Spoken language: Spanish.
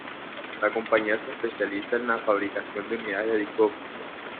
La compañía se especializa en la fabricación de unidades de disco óptico.